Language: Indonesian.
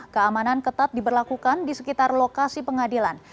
keamanan ketat diberlakukan di sekitar lokasi pengadilan